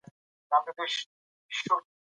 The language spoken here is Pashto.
د معلوماتو شریکول د پرمختګ لامل دی.